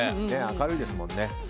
明るいですもんね。